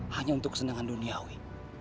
hanya untuk kesenangan duniawi